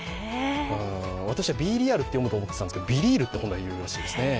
輪はビーリアルと読むと思っていたんですけど、ビリールって言うらしいですね。